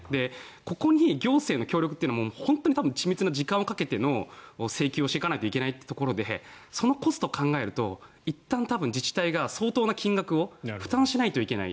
ここに行政の協力というのも緻密な時間をかけて請求をしていかなければいけないというところでそのコストを考えるといったん自治体が、相当な金額を負担しないといけない。